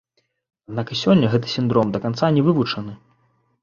Аднак і сёння гэты сіндром да канца не вывучаны.